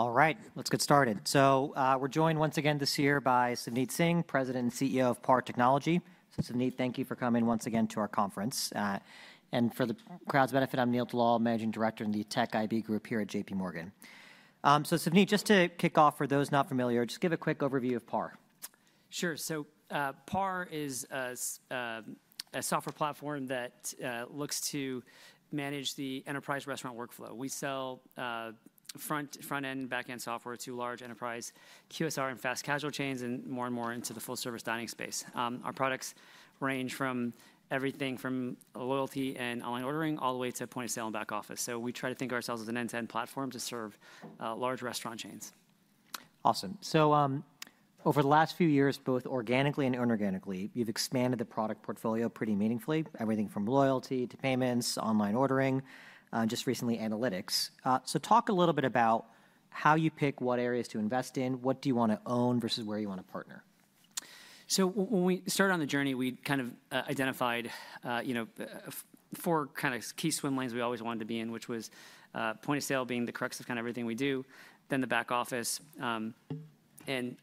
All right, let's get started. We're joined once again this year by Savneet Singh, President and CEO of PAR Technology. Savneet, thank you for coming once again to our conference. For the crowd's benefit, I'm Neil Dalal, Managing Director in the Tech IB Group here at JPMorgan. Savneet, just to kick off, for those not familiar, just give a quick overview of PAR. Sure. PAR is a software platform that looks to manage the enterprise restaurant workflow. We sell front-end, back-end software to large enterprise QSR and fast casual chains, and more and more into the full-service dining space. Our products range from everything from loyalty and online ordering all the way to point of sale and back office. We try to think of ourselves as an end-to-end platform to serve large restaurant chains. Awesome. Over the last few years, both organically and inorganically, you've expanded the product portfolio pretty meaningfully, everything from loyalty to payments, online ordering, just recently analytics. Talk a little bit about how you pick what areas to invest in, what do you want to own versus where you want to partner. When we started on the journey, we kind of identified, you know, four kind of key swim lanes we always wanted to be in, which was point of sale being the crux of kind of everything we do, then the back office.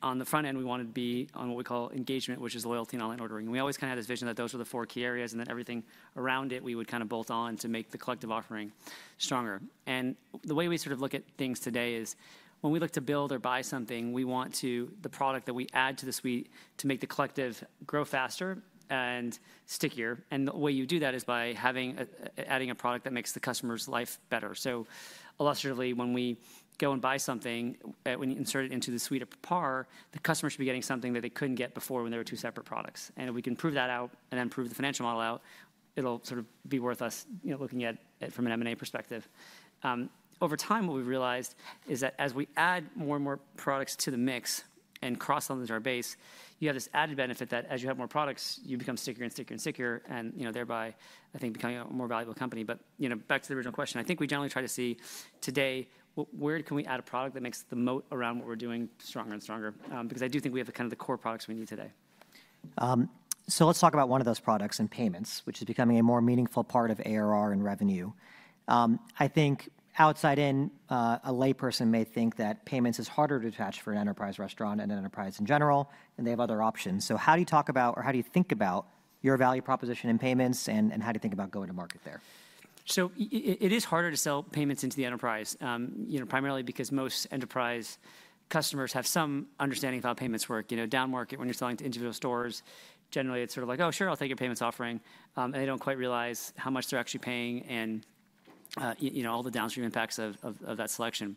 On the front end, we wanted to be on what we call engagement, which is loyalty and online ordering. We always kind of had this vision that those were the four key areas, and then everything around it we would kind of bolt on to make the collective offering stronger. The way we sort of look at things today is when we look to build or buy something, we want the product that we add to the suite to make the collective grow faster and stickier. The way you do that is by having, adding a product that makes the customer's life better. Illustratively, when we go and buy something, when you insert it into the suite of PAR, the customer should be getting something that they could not get before when there were two separate products. If we can prove that out and then prove the financial model out, it will sort of be worth us, you know, looking at it from an M&A perspective. Over time, what we have realized is that as we add more and more products to the mix and cross onto our base, you have this added benefit that as you have more products, you become stickier and stickier and stickier, and, you know, thereby, I think, becoming a more valuable company. You know, back to the original question, I think we generally try to see today where can we add a product that makes the moat around what we're doing stronger and stronger, because I do think we have kind of the core products we need today. Let's talk about one of those products in payments, which is becoming a more meaningful part of ARR and revenue. I think outside in, a layperson may think that payments is harder to attach for an enterprise restaurant and an enterprise in general, and they have other options. How do you talk about, or how do you think about your value proposition in payments, and how do you think about going to market there? It is harder to sell payments into the enterprise, you know, primarily because most enterprise customers have some understanding of how payments work. You know, down market, when you're selling to individual stores, generally it's sort of like, "Oh, sure, I'll take your payments offering," and they don't quite realize how much they're actually paying and, you know, all the downstream impacts of that selection.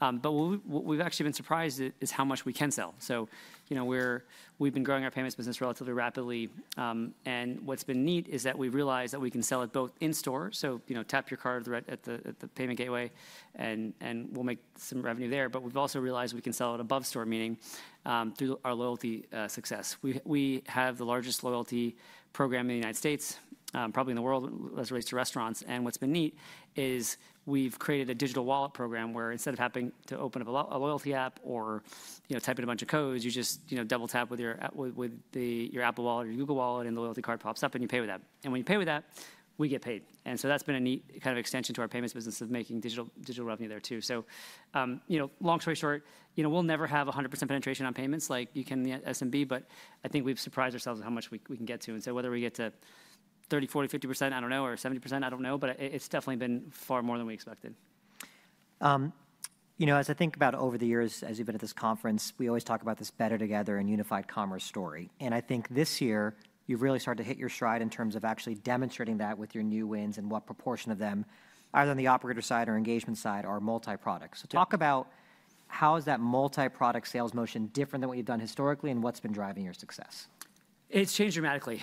What we've actually been surprised by is how much we can sell. You know, we've been growing our payments business relatively rapidly, and what's been neat is that we've realized that we can sell it both in-store, so, you know, tap your card at the payment gateway, and we'll make some revenue there. We've also realized we can sell it above-store, meaning, through our loyalty, success. We have the largest loyalty program in the United States, probably in the world as it relates to restaurants. What's been neat is we've created a digital wallet program where instead of having to open up a loyalty app or, you know, type in a bunch of codes, you just double-tap with your Apple Wallet or your Google Wallet, and the loyalty card pops up, and you pay with that. When you pay with that, we get paid. That's been a neat kind of extension to our payments business of making digital revenue there too. You know, long story short, we'll never have 100% penetration on payments like you can in the SMB, but I think we've surprised ourselves with how much we can get to. Whether we get to 30%, 40%, 50%, I don't know, or 70%, I don't know, but it's definitely been far more than we expected. You know, as I think about over the years, as you've been at this conference, we always talk about this better together and unified commerce story. I think this year you've really started to hit your stride in terms of actually demonstrating that with your new wins and what proportion of them, either on the operator side or engagement side, are multi-product. Talk about how is that multi-product sales motion different than what you've done historically and what's been driving your success. It's changed dramatically.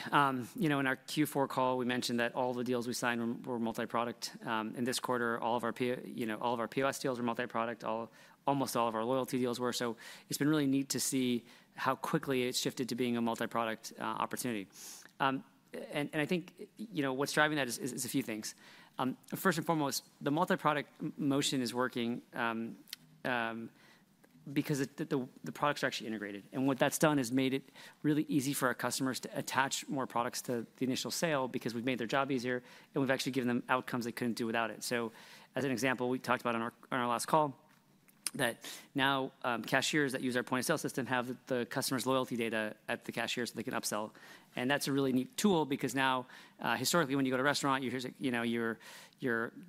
You know, in our Q4 call, we mentioned that all the deals we signed were multi-product. In this quarter, all of our, you know, all of our POS deals were multi-product, almost all of our loyalty deals were. It's been really neat to see how quickly it shifted to being a multi-product opportunity. I think, you know, what's driving that is a few things. First and foremost, the multi-product motion is working, because the products are actually integrated. What that's done is made it really easy for our customers to attach more products to the initial sale because we've made their job easier, and we've actually given them outcomes they couldn't do without it. As an example, we talked about on our last call that now, cashiers that use our point of sale system have the customer's loyalty data at the cashier so they can upsell. That is a really neat tool because now, historically, when you go to a restaurant, you hear, you know, you're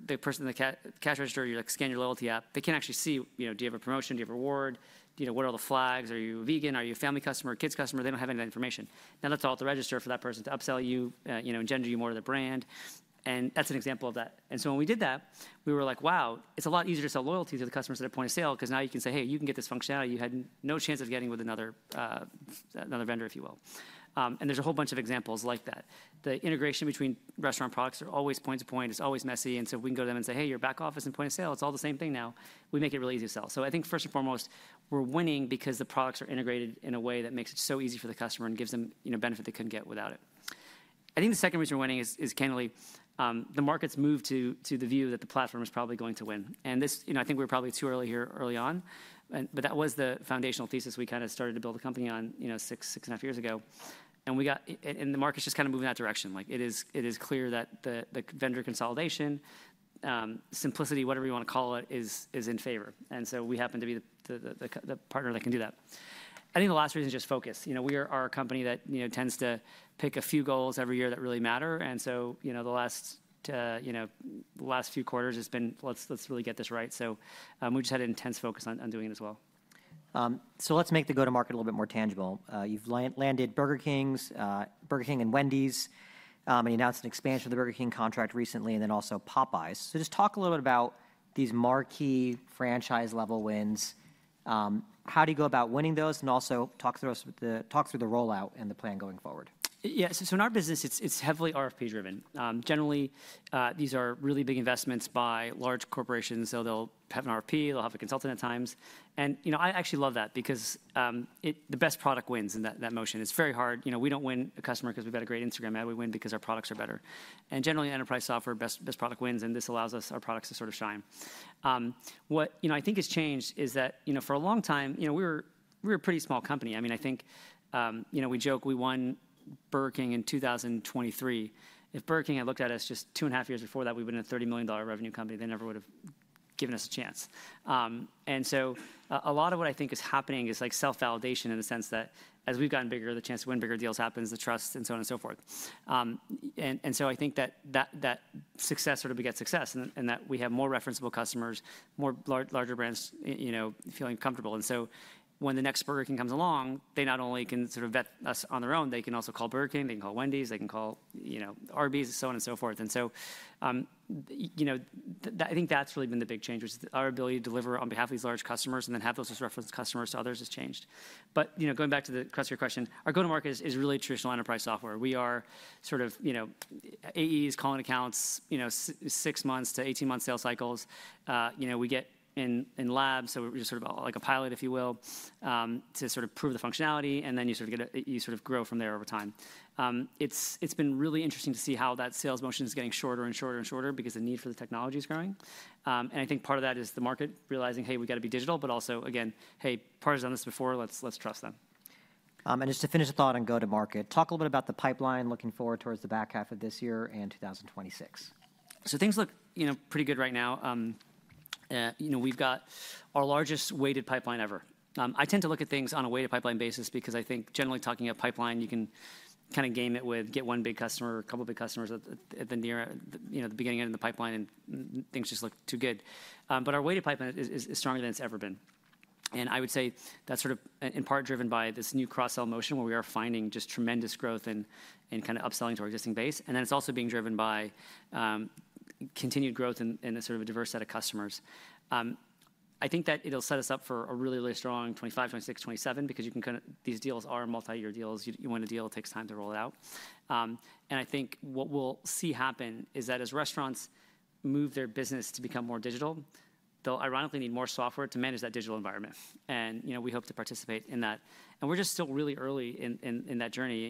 the person in the cash register, you scan your loyalty app, they can't actually see, you know, do you have a promotion, do you have a reward, you know, what are the flags, are you vegan, are you a family customer, a kids customer, they don't have any of that information. Now that is all at the register for that person to upsell you, you know, engender you more to the brand. That is an example of that. When we did that, we were like, "Wow, it's a lot easier to sell loyalty to the customers at a point of sale 'cause now you can say, 'Hey, you can get this functionality you had no chance of getting with another vendor, if you will.'" There are a whole bunch of examples like that. The integration between restaurant products is always point-to-point, it's always messy, and if we can go to them and say, "Hey, your back office and point of sale, it's all the same thing now," we make it really easy to sell. I think first and foremost, we're winning because the products are integrated in a way that makes it so easy for the customer and gives them, you know, benefit they couldn't get without it. I think the second reason we're winning is, candidly, the market's moved to the view that the platform is probably going to win. You know, I think we were probably too early here, early on, but that was the foundational thesis we kind of started to build a company on, you know, six, six and a half years ago. We got, and the market's just kind of moving in that direction. It is clear that the vendor consolidation, simplicity, whatever you want to call it, is in favor. We happen to be the partner that can do that. I think the last reason is just focus. You know, we are a company that, you know, tends to pick a few goals every year that really matter. You know, the last few quarters has been, "Let's, let's really get this right." We just had intense focus on doing it as well. Let's make the go-to-market a little bit more tangible. You've landed Burger King and Wendy's, and you announced an expansion of the Burger King contract recently and then also Popeyes. Just talk a little bit about these marquee franchise-level wins. How do you go about winning those and also talk through the rollout and the plan going forward? Yeah, so in our business, it's heavily RFP-driven. Generally, these are really big investments by large corporations, so they'll have an RFP, they'll have a consultant at times. You know, I actually love that because the best product wins in that motion. It's very hard. You know, we don't win a customer 'cause we've got a great Instagram ad, we win because our products are better. Generally, enterprise software, best product wins, and this allows our products to sort of shine. What, you know, I think has changed is that, you know, for a long time, we were a pretty small company. I mean, I think, you know, we joke we won Burger King in 2023. If Burger King had looked at us just two and a half years before that, we would've been a $30 million revenue company. They never would've given us a chance. A lot of what I think is happening is like self-validation in the sense that as we've gotten bigger, the chance to win bigger deals happens, the trust, and so on and so forth. I think that success sort of begets success and that we have more referenceable customers, more larger brands, you know, feeling comfortable. When the next Burger King comes along, they not only can sort of vet us on their own, they can also call Burger King, they can call Wendy's, they can call, you know, Arby's, so on and so forth. You know, I think that's really been the big change, which is our ability to deliver on behalf of these large customers and then have those as reference customers to others has changed. You know, going back to the, to answer your question, our go-to-market is really traditional enterprise software. We are sort of, you know, AE is calling accounts, six-month to 18-month sales cycles. You know, we get in labs, so we're just sort of a, like a pilot, if you will, to sort of prove the functionality, and then you sort of grow from there over time. It's been really interesting to see how that sales motion is getting shorter and shorter and shorter because the need for the technology is growing. I think part of that is the market realizing, "Hey, we gotta be digital," but also, again, "Hey, PAR has done this before, let's trust them. And just to finish the thought on go-to-market, talk a little bit about the pipeline looking forward towards the back half of this year and 2026. Things look, you know, pretty good right now. You know, we've got our largest weighted pipeline ever. I tend to look at things on a weighted pipeline basis because I think generally talking of pipeline, you can kind of game it with one big customer, a couple big customers at the near end, you know, the beginning end of the pipeline, and things just look too good. Our weighted pipeline is stronger than it's ever been. I would say that's sort of in part driven by this new cross-sell motion where we are finding just tremendous growth in kind of upselling to our existing base. Then it's also being driven by continued growth in a sort of a diverse set of customers. I think that it'll set us up for a really, really strong 2025, 2026, 2027 because you can kind of, these deals are multi-year deals. You win a deal, it takes time to roll it out. I think what we'll see happen is that as restaurants move their business to become more digital, they'll ironically need more software to manage that digital environment. You know, we hope to participate in that. We're just still really early in that journey.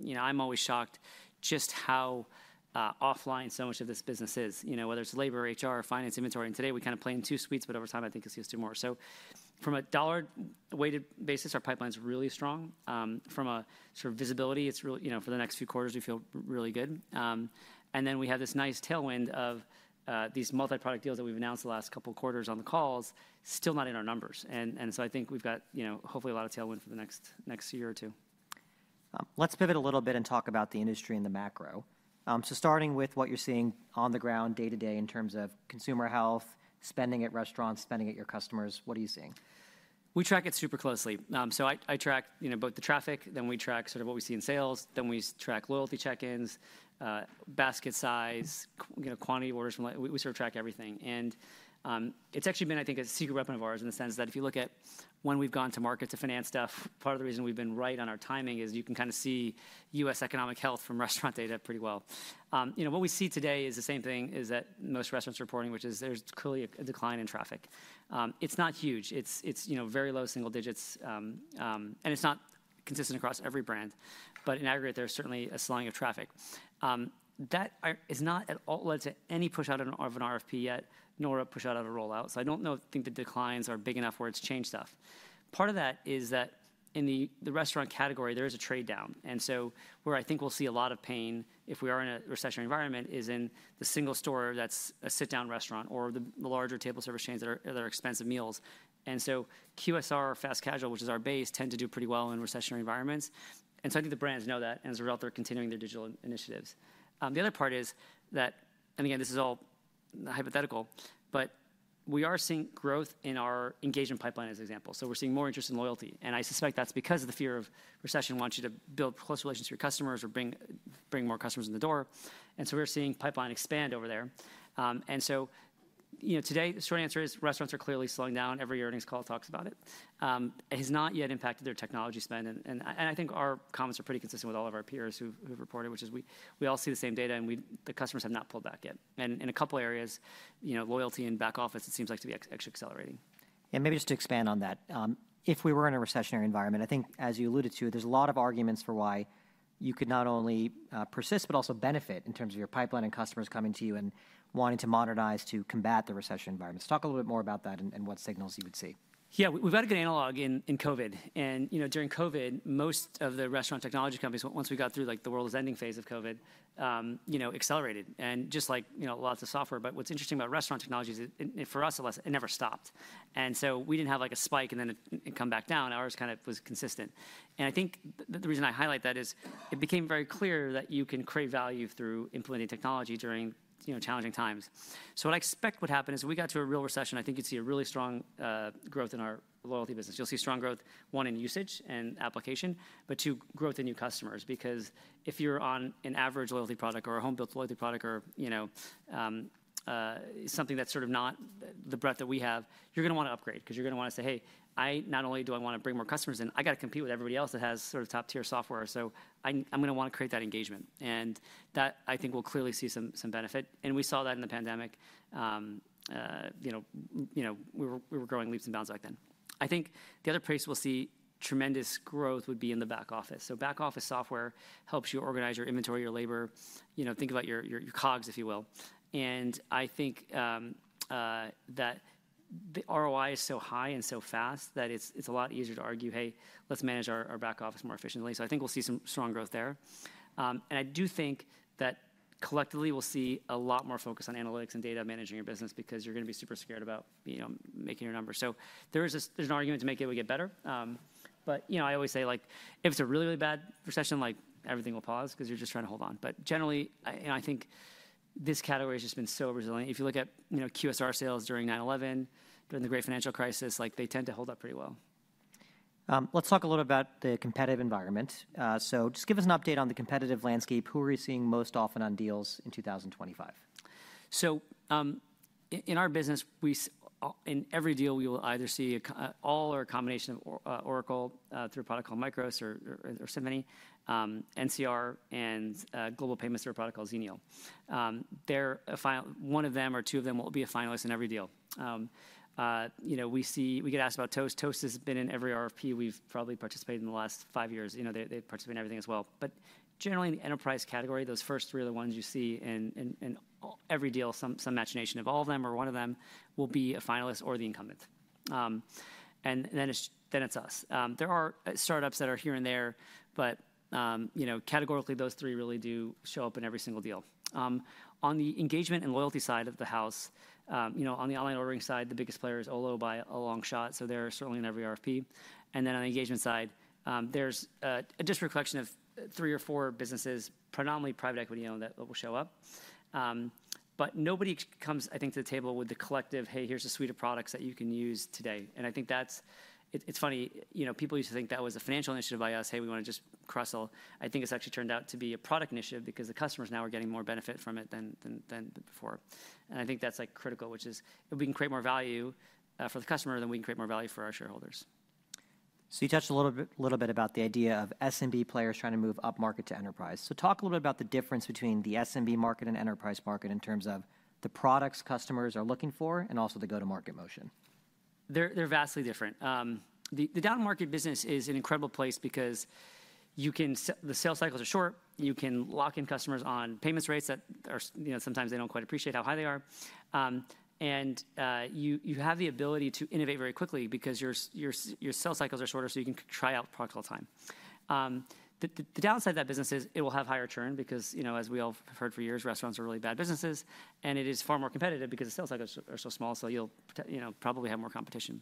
You know, I'm always shocked just how offline so much of this business is, you know, whether it's labor, HR, finance, inventory. Today we kind of play in two suites, but over time I think it's used to more. From a dollar-weighted basis, our pipeline's really strong. From a sort of visibility, it's really, you know, for the next few quarters, we feel really good. We have this nice tailwind of these multi-product deals that we've announced the last couple quarters on the calls, still not in our numbers. I think we've got, you know, hopefully a lot of tailwind for the next year or two. Let's pivot a little bit and talk about the industry and the macro. Starting with what you're seeing on the ground day-to-day in terms of consumer health, spending at restaurants, spending at your customers, what are you seeing? We track it super closely. I track, you know, both the traffic, then we track sort of what we see in sales, then we track loyalty check-ins, basket size, you know, quantity orders from, we sort of track everything. It's actually been, I think, a secret weapon of ours in the sense that if you look at when we've gone to market to finance stuff, part of the reason we've been right on our timing is you can kind of see U.S. economic health from restaurant data pretty well. You know, what we see today is the same thing as that most restaurants are reporting, which is there's clearly a decline in traffic. It's not huge. It's, you know, very low single digits, and it's not consistent across every brand. In aggregate, there's certainly a slowing of traffic. That is not at all led to any push-out of an RFP yet, nor a push-out of a rollout. I don't know, think the declines are big enough where it's changed stuff. Part of that is that in the restaurant category, there is a trade down. Where I think we'll see a lot of pain if we are in a recessionary environment is in the single store that's a sit-down restaurant or the larger table service chains that are expensive meals. QSR, Fast Casual, which is our base, tend to do pretty well in recessionary environments. I think the brands know that, and as a result, they're continuing their digital initiatives. The other part is that, and again, this is all hypothetical, but we are seeing growth in our engagement pipeline as an example. We're seeing more interest in loyalty. I suspect that's because of the fear of recession, wants you to build close relations with your customers or bring more customers in the door. We're seeing pipeline expand over there. You know, today, the short answer is restaurants are clearly slowing down. Every earnings call talks about it. It has not yet impacted their technology spend. I think our comments are pretty consistent with all of our peers who've reported, which is we all see the same data and the customers have not pulled back yet. In a couple areas, you know, loyalty and back office, it seems to be accelerating. Maybe just to expand on that, if we were in a recessionary environment, I think, as you alluded to, there's a lot of arguments for why you could not only persist but also benefit in terms of your pipeline and customers coming to you and wanting to modernize to combat the recession environment. Talk a little bit more about that and what signals you would see. Yeah, we, we've had a good analog in, in COVID. And, you know, during COVID, most of the restaurant technology companies, once we got through like the world's ending phase of COVID, you know, accelerated. And just like, you know, lots of software. What's interesting about restaurant technology is it, it, for us, it less, it never stopped. We didn't have like a spike and then it, it come back down. Ours kind of was consistent. I think the reason I highlight that is it became very clear that you can create value through implementing technology during, you know, challenging times. What I expect would happen is we got to a real recession. I think you'd see a really strong growth in our loyalty business. You'll see strong growth, one in usage and application, but two, growth in new customers. Because if you're on an average loyalty product or a home-built loyalty product or, you know, something that's sort of not the breadth that we have, you're gonna wanna upgrade 'cause you're gonna wanna say, "Hey, not only do I wanna bring more customers in, I gotta compete with everybody else that has sort of top-tier software. I, I'm gonna wanna create that engagement." That, I think, will clearly see some benefit. We saw that in the pandemic. You know, we were growing leaps and bounds back then. I think the other place we'll see tremendous growth would be in the back office. Back office software helps you organize your inventory, your labor, you know, think about your COGS, if you will. I think that the ROI is so high and so fast that it's a lot easier to argue, "Hey, let's manage our back office more efficiently." I think we'll see some strong growth there. I do think that collectively we'll see a lot more focus on analytics and data managing your business because you're gonna be super scared about, you know, making your numbers. There is an argument to make it, we get better. You know, I always say, like, if it's a really, really bad recession, everything will pause 'cause you're just trying to hold on. Generally, I, you know, I think this category has just been so resilient. If you look at, you know, QSR sales during 9/11, during the great financial crisis, they tend to hold up pretty well. Let's talk a little bit about the competitive environment. So just give us an update on the competitive landscape. Who are you seeing most often on deals in 2025? In our business, in every deal, we will either see a combination of Oracle, through a product called MICROS or Simphony, NCR, and Global Payments through a product called Xenial. One of them or two of them will be a finalist in every deal. You know, we get asked about Toast. Toast has been in every RFP we've probably participated in the last five years. You know, they participate in everything as well. Generally, in the enterprise category, those first three are the ones you see in every deal. Some combination of all of them or one of them will be a finalist or the incumbent, and then it's us. There are startups that are here and there, but, you know, categorically, those three really do show up in every single deal. On the engagement and loyalty side of the house, you know, on the online ordering side, the biggest player is Olo by a long shot. They are certainly in every RFP. On the engagement side, there is a distinct collection of three or four businesses, predominantly private equity owned, that will show up. Nobody comes, I think, to the table with the collective, "Hey, here is a suite of products that you can use today." I think that is it. It is funny, you know, people used to think that was a financial initiative by us, "Hey, we want to just cross sell." I think it has actually turned out to be a product initiative because the customers now are getting more benefit from it than before. I think that's like critical, which is if we can create more value for the customer, then we can create more value for our shareholders. You touched a little bit about the idea of SMB players trying to move upmarket to enterprise. Talk a little bit about the difference between the SMB market and enterprise market in terms of the products customers are looking for and also the go-to-market motion. They're vastly different. The downmarket business is an incredible place because the sales cycles are short. You can lock in customers on payments rates that are, you know, sometimes they don't quite appreciate how high they are, and you have the ability to innovate very quickly because your sales cycles are shorter, so you can try out products all the time. The downside of that business is it will have higher churn because, you know, as we all have heard for years, restaurants are really bad businesses, and it is far more competitive because the sales cycles are so small, so you'll, you know, probably have more competition.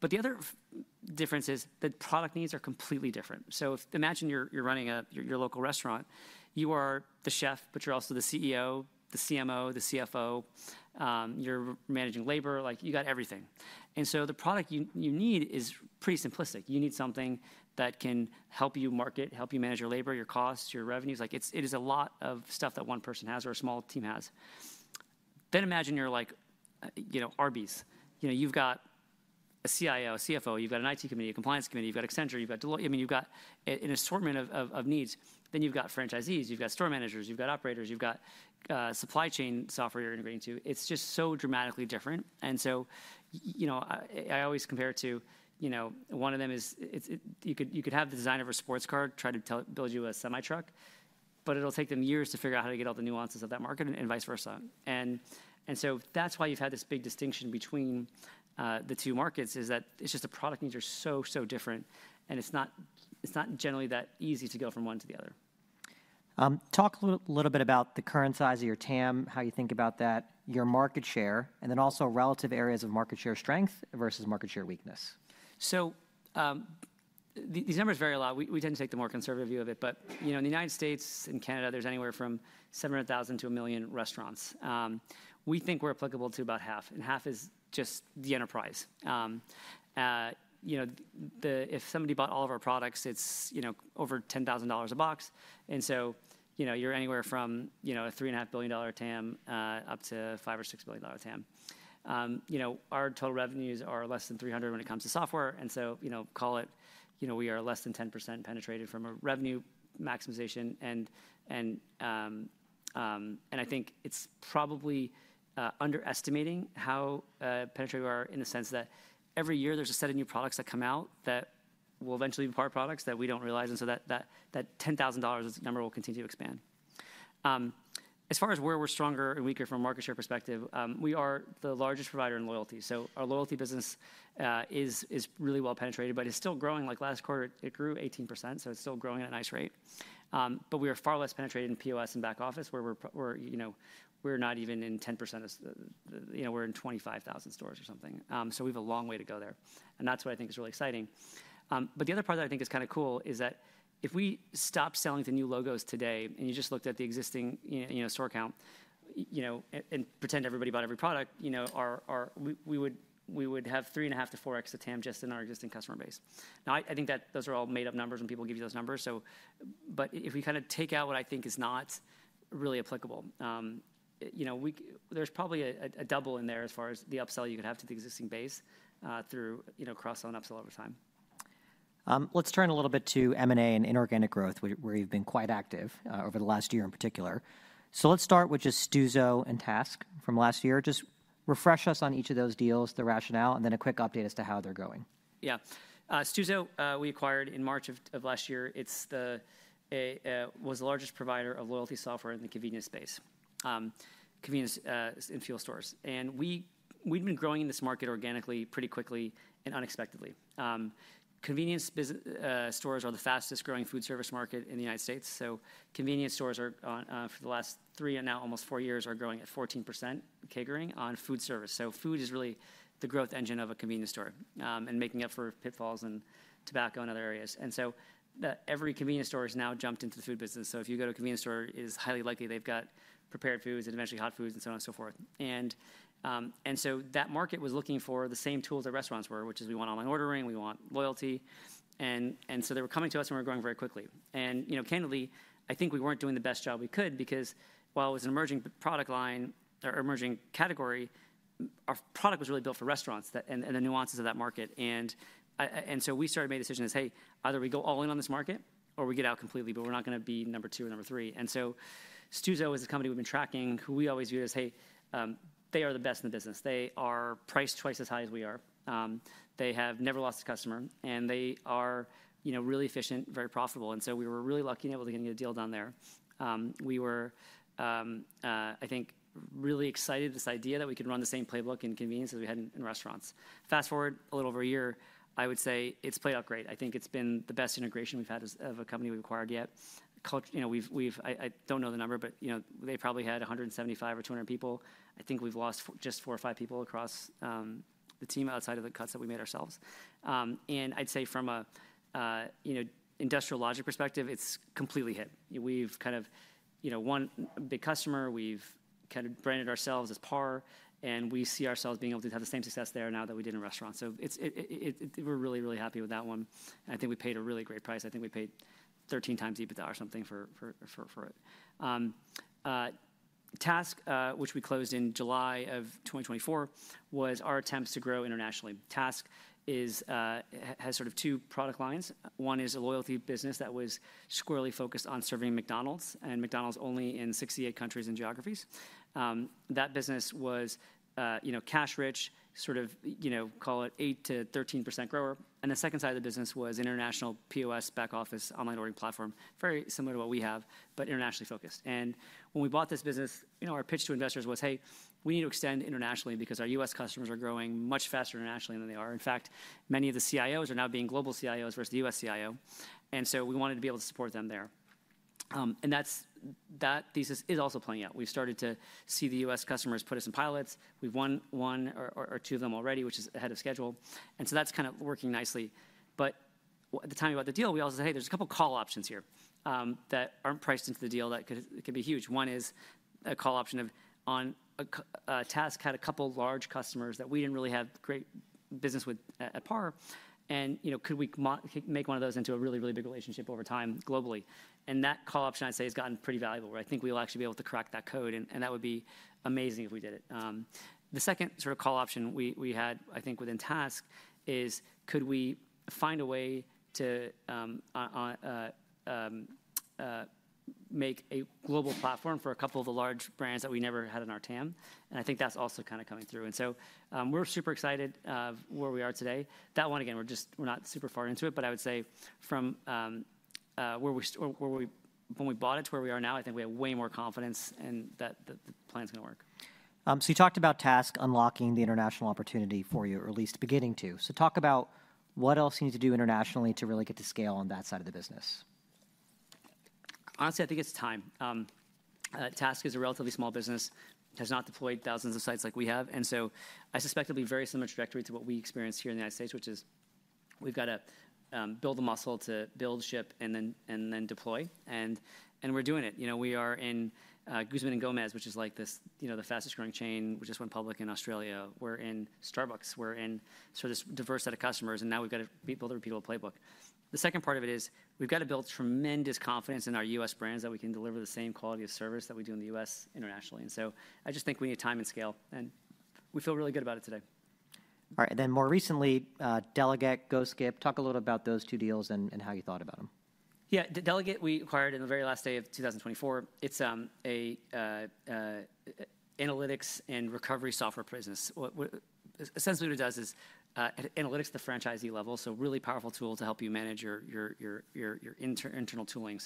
The other difference is that product needs are completely different. If you imagine you're running your local restaurant, you are the chef, but you're also the CEO, the CMO, the CFO. You're managing labor, like you got everything. The product you need is pretty simplistic. You need something that can help you market, help you manage your labor, your costs, your revenues. Like, it is a lot of stuff that one person has or a small team has. Imagine you're, like, you know, Arby's. You know, you've got a CIO, a CFO, you've got an IT committee, a compliance committee, you've got Accenture, you've got Deloitte. I mean, you've got an assortment of needs. You've got franchisees, you've got store managers, you've got operators, you've got supply chain software you're integrating to. It's just so dramatically different. You know, I always compare it to, you could have the design of a sports car try to build you a semi-truck, but it'll take them years to figure out how to get all the nuances of that market and vice versa. That's why you've had this big distinction between the two markets, is that it's just the product needs are so, so different, and it's not generally that easy to go from one to the other. talk a little, little bit about the current size of your TAM, how you think about that, your market share, and then also relative areas of market share strength versus market share weakness. These numbers vary a lot. We tend to take the more conservative view of it. You know, in the United States and Canada, there's anywhere from 700,000 to a million restaurants. We think we're applicable to about half, and half is just the enterprise. You know, if somebody bought all of our products, it's over $10,000 a box. And so, you're anywhere from a $3.5 billion TAM up to $5 billion TAM or $6 billion TAM. You know, our total revenues are less than $300 million when it comes to software. And so, call it, you know, we are less than 10% penetrated from a revenue maximization. I think it's probably underestimating how penetrated we are in the sense that every year there's a set of new products that come out that will eventually be PAR products that we do not realize. That $10,000 number will continue to expand. As far as where we are stronger and weaker from a market share perspective, we are the largest provider in loyalty. Our loyalty business is really well penetrated, but it is still growing. Like last quarter, it grew 18%. It is still growing at a nice rate. We are far less penetrated in POS and back office where we are, you know, we are not even in 10% of, you know, we are in 25,000 stores or something. We have a long way to go there. That is what I think is really exciting. The other part that I think is kind of cool is that if we stop selling the new logos today and you just looked at the existing, you know, store count, and pretend everybody bought every product, we would have 3.5x to 4x of the TAM just in our existing customer base. Now, I think that those are all made up numbers and people give you those numbers. If we kind of take out what I think is not really applicable, you know, there's probably a double in there as far as the upsell you could have to the existing base, through, you know, cross-sell and upsell over time. Let's turn a little bit to M&A and inorganic growth, where you've been quite active over the last year in particular. Let's start with just Stuzo and TASK from last year. Just refresh us on each of those deals, the rationale, and then a quick update as to how they're going. Yeah. Stuzo, we acquired in March of last year. It was the largest provider of loyalty software in the convenience space, convenience and fuel stores. And we had been growing in this market organically pretty quickly and unexpectedly. Convenience stores are the fastest growing food service market in the United States. Convenience stores, for the last three and now almost four years, are growing at 14% catering on food service. Food is really the growth engine of a convenience store, making up for pitfalls in tobacco and other areas. Every convenience store has now jumped into the food business. If you go to a convenience store, it is highly likely they've got prepared foods and eventually hot foods and so on and so forth. That market was looking for the same tools that restaurants were, which is we want online ordering, we want loyalty. They were coming to us and we're growing very quickly. You know, candidly, I think we weren't doing the best job we could because while it was an emerging product line or emerging category, our product was really built for restaurants and the nuances of that market. I, and so we started to make decisions as, hey, either we go all in on this market or we get out completely, but we're not gonna be number two or number three. Stuzo is a company we've been tracking who we always view as, hey, they are the best in the business. They are priced twice as high as we are. They have never lost a customer and they are, you know, really efficient, very profitable. We were really lucky and able to get a deal down there. We were, I think, really excited about this idea that we could run the same playbook in convenience as we had in restaurants. Fast forward a little over a year, I would say it has played out great. I think it has been the best integration we have had as a company we have acquired yet. Culture, you know, we have, I do not know the number, but, you know, they probably had 175 or 200 people. I think we have lost just four or five people across the team outside of the cuts that we made ourselves. I would say from an industrial logic perspective, it has completely hit. We've kind of, you know, one big customer, we've kind of branded ourselves as PAR, and we see ourselves being able to have the same success there now that we did in restaurants. It's, we're really, really happy with that one. I think we paid a really great price. I think we paid 13 times EBITDA or something for it. TASK, which we closed in July of 2024, was our attempt to grow internationally. TASK has sort of two product lines. One is a loyalty business that was squarely focused on serving McDonald's and McDonald's only in 68 countries and geographies. That business was, you know, cash rich, sort of, you know, call it 8-13% grower. The second side of the business was international POS, back office, online ordering platform, very similar to what we have, but internationally focused. When we bought this business, you know, our pitch to investors was, hey, we need to extend internationally because our U.S. customers are growing much faster internationally than they are. In fact, many of the CIOs are now being global CIOs versus the U.S. CIO. We wanted to be able to support them there. That thesis is also playing out. We've started to see the U.S. customers put us in pilots. We've won one or two of them already, which is ahead of schedule. That is kind of working nicely. At the time we bought the deal, we also said, hey, there's a couple call options here that aren't priced into the deal that could be huge. One is a call option of, on a, Task had a couple large customers that we didn't really have great business with at PAR. And, you know, could we make one of those into a really, really big relationship over time globally? That call option, I'd say, has gotten pretty valuable, where I think we'll actually be able to crack that code, and that would be amazing if we did it. The second sort of call option we had, I think within Task, is could we find a way to make a global platform for a couple of the large brands that we never had in our TAM? I think that's also kind of coming through. We're super excited where we are today. That one, again, we're just, we're not super far into it, but I would say from where we, when we bought it to where we are now, I think we have way more confidence that the plan's gonna work. You talked about TASK unlocking the international opportunity for you, or at least beginning to. Talk about what else you need to do internationally to really get to scale on that side of the business. Honestly, I think it's time. TASK is a relatively small business, has not deployed thousands of sites like we have. I suspect it'll be very similar trajectory to what we experienced here in the United States, which is we've got to build the muscle to build, ship, and then deploy. We're doing it. You know, we are in Guzman y Gomez, which is like this, you know, the fastest growing chain, which just went public in Australia. We're in Starbucks. We're in sort of this diverse set of customers. Now we've got to rebuild the repeatable playbook. The second part of it is we've got to build tremendous confidence in our U.S. brands that we can deliver the same quality of service that we do in the U.S. internationally. I just think we need time and scale, and we feel really good about it today. All right. More recently, Delaget, GoSkip, talk a little about those two deals and how you thought about them. Yeah. Delaget, we acquired in the very last day of 2024. It's a analytics and recovery software business. What essentially what it does is analytics at the franchisee level, so really powerful tool to help you manage your internal tooling.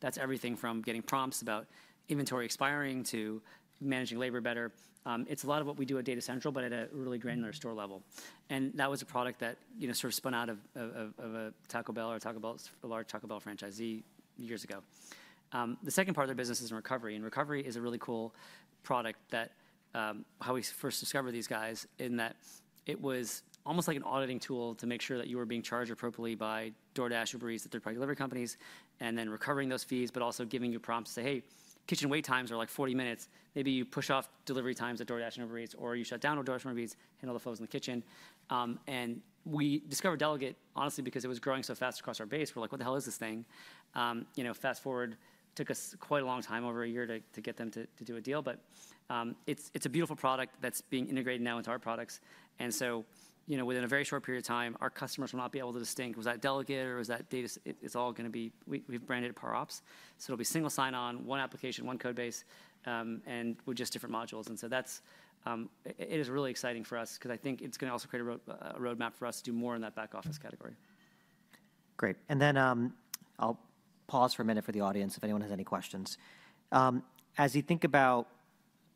That's everything from getting prompts about inventory expiring to managing labor better. It's a lot of what we do at Data Central, but at a really granular store level. That was a product that, you know, sort of spun out of a Taco Bell, a large Taco Bell franchisee years ago. The second part of their business is in recovery. Recovery is a really cool product that, how we first discovered these guys in that it was almost like an auditing tool to make sure that you were being charged appropriately by DoorDash, Uber Eats, the third-party delivery companies, and then recovering those fees, but also giving you prompts to say, hey, kitchen wait times are like 40 minutes. Maybe you push off delivery times at DoorDash and Uber Eats, or you shut down on DoorDash and Uber Eats, handle the photos in the kitchen. We discovered Delaget, honestly, because it was growing so fast across our base. We're like, what the hell is this thing? You know, fast forward, took us quite a long time, over a year to get them to do a deal. It's a beautiful product that's being integrated now into our products. You know, within a very short period of time, our customers will not be able to distinguish, was that Delaget or was that Data, it's all gonna be, we, we've branded it PAR OPS. It will be single sign-on, one application, one code base, and with just different modules. That is really exciting for us 'cause I think it's gonna also create a roadmap for us to do more in that back office category. Great. I'll pause for a minute for the audience if anyone has any questions. As you think about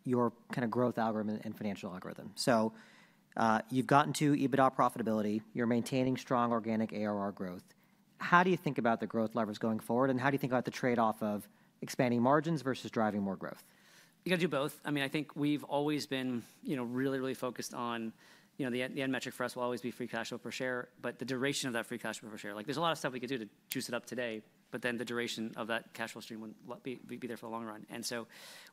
your kind of growth algorithm and financial algorithm, you've gotten to EBITDA profitability, you're maintaining strong organic ARR growth. How do you think about the growth levers going forward? How do you think about the trade-off of expanding margins versus driving more growth? You gotta do both. I mean, I think we've always been, you know, really, really focused on, you know, the end metric for us will always be free cash flow per share, but the duration of that free cash flow per share, like there's a lot of stuff we could do to juice it up today, but then the duration of that cash flow stream would be there for the long run.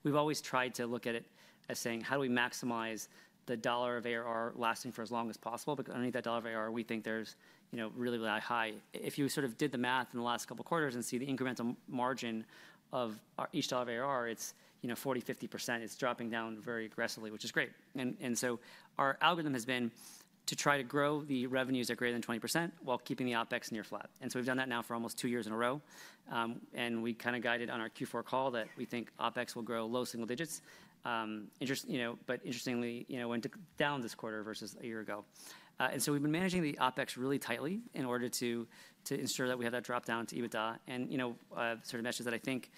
We've always tried to look at it as saying, how do we maximize the dollar of ARR lasting for as long as possible? Because underneath that dollar of ARR, we think there's, you know, really, really high, if you sort of did the math in the last couple quarters and see the incremental margin of our each dollar of ARR, it's, you know, 40%-50%. It's dropping down very aggressively, which is great. Our algorithm has been to try to grow the revenues at greater than 20% while keeping the OpEx near flat. We have done that now for almost two years in a row. We kind of guided on our Q4 call that we think OpEx will grow low single digits. Interestingly, it went down this quarter versus a year ago. We have been managing the OpEx really tightly in order to ensure that we have that dropdown to EBITDA. The message that I think,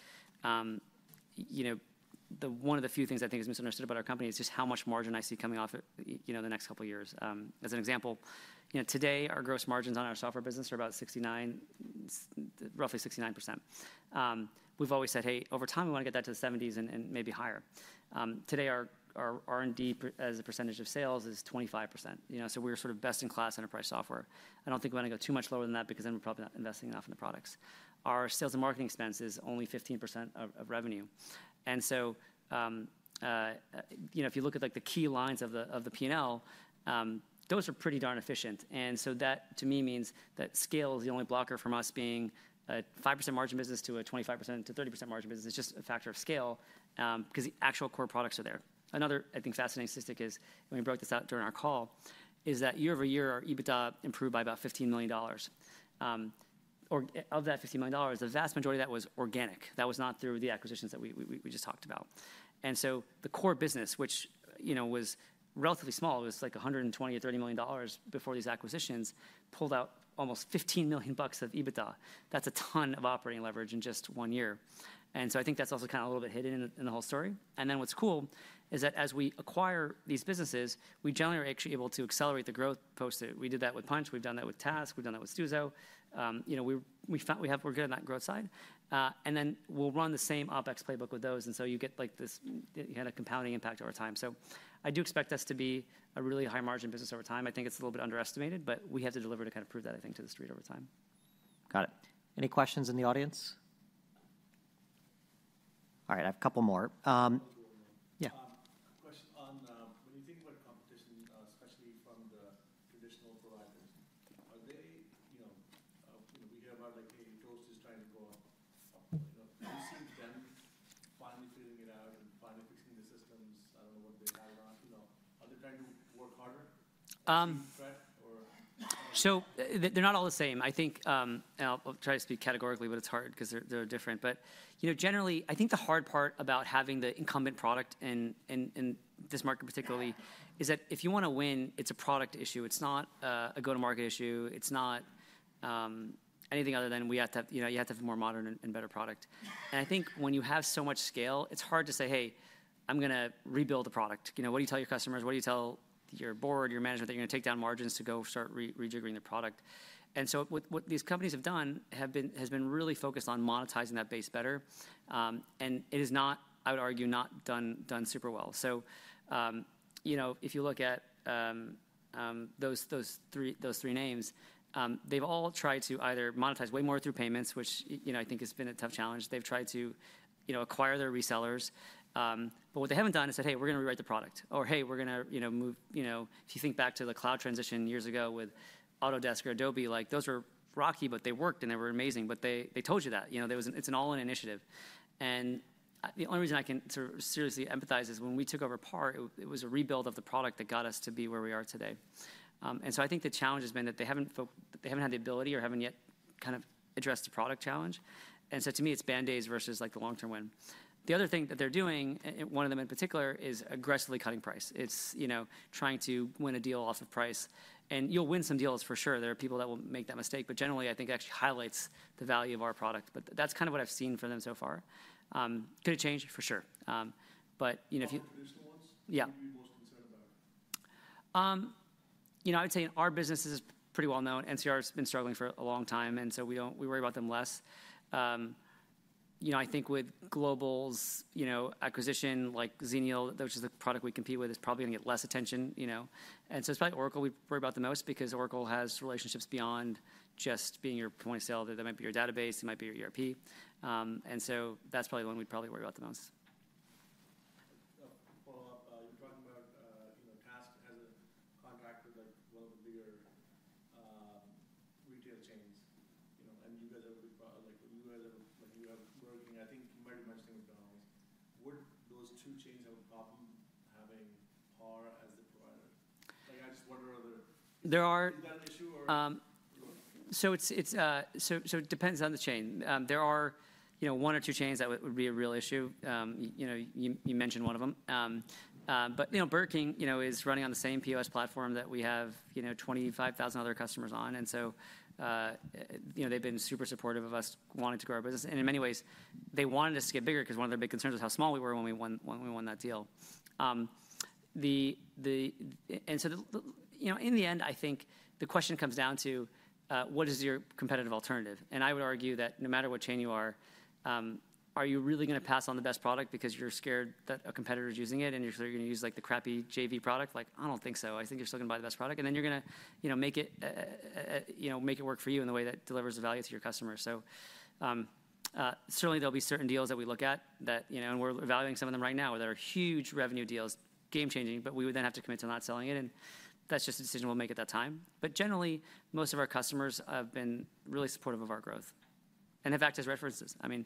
you know, one of the few things I think is misunderstood about our company is just how much margin I see coming off it the next couple of years. As an example, today our gross margins on our software business are about 69%, roughly 69%. we've always said, hey, over time we wanna get that to the seventies and, and maybe higher. Today our R&D as a percentage of sales is 25%, you know? So we're sort of best in class enterprise software. I don't think we wanna go too much lower than that because then we're probably not investing enough in the products. Our sales and marketing expense is only 15% of revenue. And so, you know, if you look at like the key lines of the P&L, those are pretty darn efficient. And so that to me means that scale is the only blocker from us being a 5% margin business to a 25%-30% margin business is just a factor of scale, 'cause the actual core products are there. Another, I think, fascinating statistic is when we broke this out during our call is that year over year, our EBITDA improved by about $15 million. Of that $15 million, the vast majority of that was organic. That was not through the acquisitions that we just talked about. The core business, which, you know, was relatively small, it was like $120 or $130 million before these acquisitions, pulled out almost $15 million of EBITDA. That is a ton of operating leverage in just one year. I think that is also kind of a little bit hidden in the whole story. What is cool is that as we acquire these businesses, we generally are actually able to accelerate the growth posted. We did that with Punchh. We have done that with TASK. We have done that with Stuzo. you know, we found we have, we're good on that growth side. and then we'll run the same OpEx playbook with those. You get like this, you had a compounding impact over time. I do expect us to be a really high margin business over time. I think it's a little bit underestimated, but we have to deliver to kind of prove that, I think, to the street over time. Got it. Any questions in the audience? All right. I have a couple more. Yeah. A question on, when you think about competition, especially from the traditional providers, are they, you know, we hear about like a Toast is trying to go up, you know, do you see them finally figuring it out and finally fixing the systems? I don't know what they have on, you know, are they trying to work harder? To prep or. They're not all the same. I think, and I'll try to speak categorically, but it's hard 'cause they're different. But, you know, generally, I think the hard part about having the incumbent product in this market particularly is that if you wanna win, it's a product issue. It's not a go-to-market issue. It's not anything other than we have to have, you know, you have to have a more modern and better product. I think when you have so much scale, it's hard to say, hey, I'm gonna rebuild the product. You know, what do you tell your customers? What do you tell your board, your management that you're gonna take down margins to go start re-rejiggering the product? What these companies have done has been really focused on monetizing that base better. It is not, I would argue, not done, done super well. You know, if you look at those three, those three names, they've all tried to either monetize way more through payments, which, you know, I think has been a tough challenge. They've tried to, you know, acquire their resellers. What they haven't done is said, hey, we're gonna rewrite the product or hey, we're gonna, you know, move, you know, if you think back to the cloud transition years ago with Autodesk or Adobe, like those were rocky, but they worked and they were amazing. They told you that, you know, it's an all-in initiative. The only reason I can sort of seriously empathize is when we took over PAR, it was a rebuild of the product that got us to be where we are today. and so I think the challenge has been that they haven't, they haven't had the ability or haven't yet kind of addressed the product challenge. To me, it's Band-Aids versus like the long-term win. The other thing that they're doing, one of them in particular, is aggressively cutting price. It's, you know, trying to win a deal off of price. You'll win some deals for sure. There are people that will make that mistake. Generally, I think it actually highlights the value of our product. That's kind of what I've seen from them so far. Could it change? For sure. but, you know, if you. The traditional ones? Yeah. What are you most concerned about? you know, I would say in our business, this is pretty well known. NCR has been struggling for a long time, and so we don't, we worry about them less. you know, I think with Global's, you know, acquisition, like Xenial, which is the product we compete with, is probably gonna get less attention, you know? And so it's probably Oracle we worry about the most because Oracle has relationships beyond just being your point of sale. That might be your database. It might be your ERP. and so that's probably the one we probably worry about the most. Follow up, you're talking about, you know, TASK has a contract with like one of the bigger retail chains, you know, and you guys have a good pro, like you guys have, like you have working, I think you might be mentioning Burger King. Would those two chains have a problem having PAR as the provider? Like, I just wonder whether. There are. Is that an issue? So it depends on the chain. There are, you know, one or two chains that would be a real issue. You know, you mentioned one of them. You know, Burger King is running on the same POS platform that we have 25,000 other customers on. And so, you know, they've been super supportive of us wanting to grow our business. In many ways, they wanted us to get bigger 'cause one of their big concerns was how small we were when we won that deal. In the end, I think the question comes down to, what is your competitive alternative? I would argue that no matter what chain you are, are you really gonna pass on the best product because you're scared that a competitor's using it and you're gonna use like the crappy JV product? I don't think so. I think you're still gonna buy the best product and then you're gonna, you know, make it, you know, make it work for you in the way that delivers the value to your customers. Certainly there'll be certain deals that we look at that, you know, and we're evaluating some of them right now where there are huge revenue deals, game-changing, but we would then have to commit to not selling it. That's just a decision we'll make at that time. Generally, most of our customers have been really supportive of our growth and have acted as references. I mean,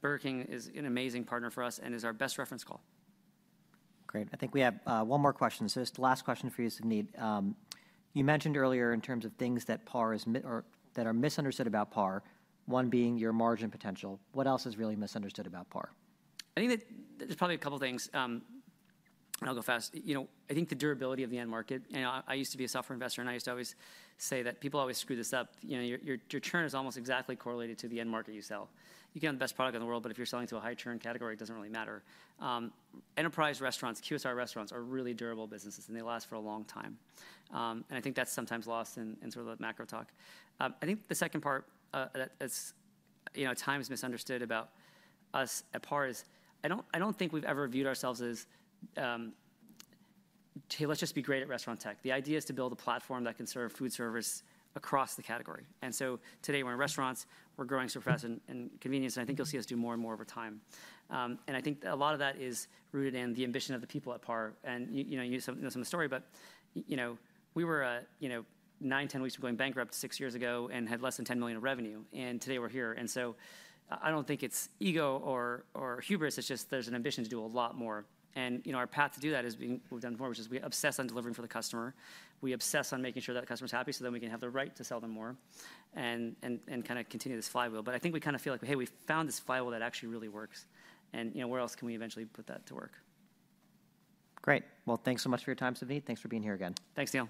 Burger King is an amazing partner for us and is our best reference call. Great. I think we have one more question. Just the last question for you, Savneet. You mentioned earlier in terms of things that PAR is, or that are misunderstood about PAR, one being your margin potential. What else is really misunderstood about PAR? I think that there's probably a couple things. I'll go fast. You know, I think the durability of the end market, you know, I used to be a software investor and I used to always say that people always screw this up. You know, your churn is almost exactly correlated to the end market you sell. You can have the best product in the world, but if you're selling to a high churn category, it doesn't really matter. Enterprise restaurants, QSR restaurants are really durable businesses and they last for a long time. I think that's sometimes lost in sort of the macro talk. I think the second part that's, you know, at times misunderstood about us at PAR is I don't think we've ever viewed ourselves as, hey, let's just be great at restaurant tech. The idea is to build a platform that can serve food service across the category. Today we're in restaurants, we're growing super fast in convenience. I think you'll see us do more and more over time. I think a lot of that is rooted in the ambition of the people at PAR. You know some of the story, but we were nine, 10 weeks from going bankrupt six years ago and had less than $10 million in revenue. Today we're here. I don't think it's ego or hubris. There's an ambition to do a lot more. Our path to do that has been, we've done more, which is we obsess on delivering for the customer. We obsess on making sure that customer's happy so then we can have the right to sell them more and kind of continue this flywheel. I think we kind of feel like, hey, we found this flywheel that actually really works. And, you know, where else can we eventually put that to work? Great. Thanks so much for your time, Savneet. Thanks for being here again. Thanks, Neil.